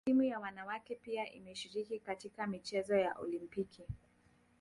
Timu ya wanawake pia imeshiriki katika michezo ya Olimpiki